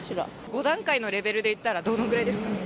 ５段階のレベルでいったらどのぐらいですか？